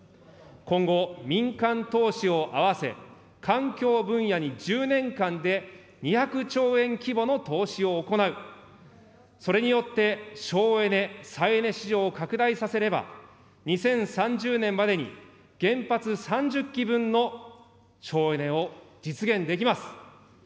今後、民間投資を合わせ、環境分野に１０年間で２００兆円規模の投資を行う、それによって、省エネ・再エネ市場を拡大させれば、２０３０年までに原発３０基分の省エネを実現できます。